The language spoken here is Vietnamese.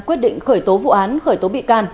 quyết định khởi tố vụ án khởi tố bị can